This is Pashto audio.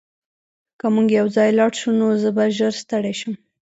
که موږ یوځای لاړ شو نو زه به ژر ستړی شم